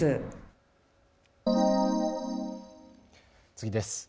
次です。